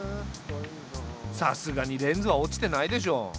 さすがにレンズは落ちてないでしょ。